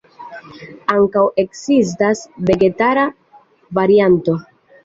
Ankaŭ ekzistas vegetara varianto.